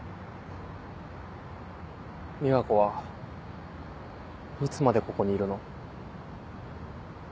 美和子はいつまでここにいるの？